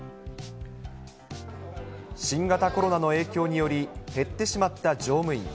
新型コロナの影響により、減ってしまった乗務員。